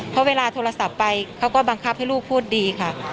เพราะเวลาโทรศัพท์ไปเขาก็บังคับให้ลูกพูดดีค่ะ